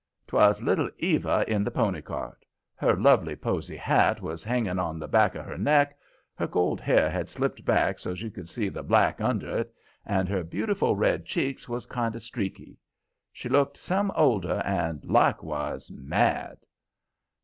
'Twas Little Eva in the pony cart. Her lovely posy hat was hanging on the back of her neck, her gold hair had slipped back so's you could see the black under it, and her beautiful red cheeks was kind of streaky. She looked some older and likewise mad.